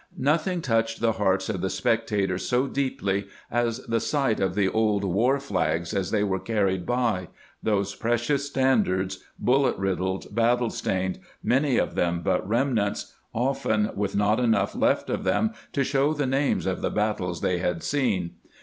Nothing touched the hearts of the spectators so deeply as the sight of the old war flags as they were carried by — those precious standards, bullet riddled, battle stained, many of them but remnants, often with not enough left of them to show the names of the battles they had seen.